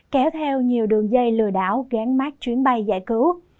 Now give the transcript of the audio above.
kéo theo nhiều đường dây lừa đảo ghén mát chuyến bay giải cứu